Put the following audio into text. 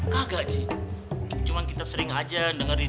kagak ji cumbough kita sering aja denger di tv